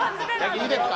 いいですか？